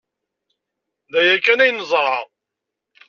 D aya kan ay neẓra.